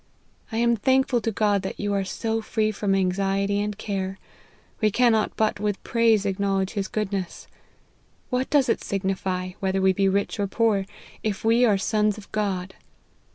I am thankful to God that you are so free from anxiety and care : we cannot but with praise acknowledge his goodness. What does it signify whether we be rich or poor, if we are sons of God